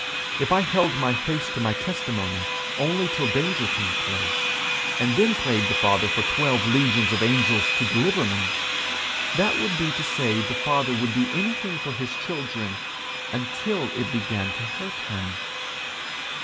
If I held my face to my testimony only till danger came close, and then prayed the Father for twelve legions of angels to deliver me, that would be to say the Father would do anything for his children until it began to hurt him.